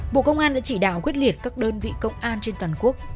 bộ công an đã chỉ đạo quyết liệt các đơn vị công an trên toàn quốc